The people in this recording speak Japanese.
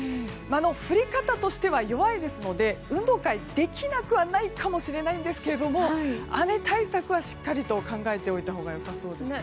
降り方としては弱いですので運動会はできなくはないかもしれないですけど雨対策はしっかりと考えておいたほうが良さそうですね。